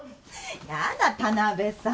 やだ田辺さん